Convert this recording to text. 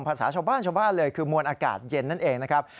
ภาษาชาวบ้านชาวบ้านเลยคือมวลอากาศเย็นนั่นเองนะครับ